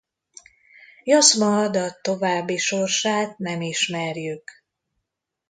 Jaszmah-Adad további sorsát nem ismerjük.